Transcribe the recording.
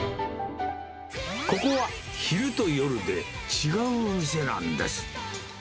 ここは、昼と夜で違うお店なんです。